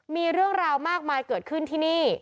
มีเรื่องราวมากมายเกิดขึ้นที่นี่